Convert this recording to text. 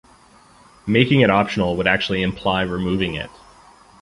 Making it optional would actually imply removing it.